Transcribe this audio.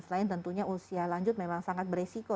selain tentunya usia lanjut memang sangat beresiko